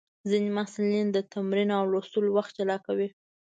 ځینې محصلین د تمرین او لوستلو وخت جلا کوي.